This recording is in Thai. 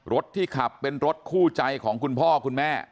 รถที่ขับเป็นรถคู่ใจของคุณพ่อคุณแม่